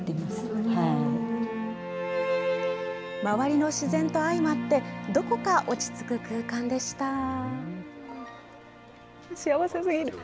周りの自然と相まって、どこか落ち着く空間でした。